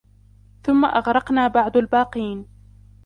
ثم أغرقنا بعد الباقين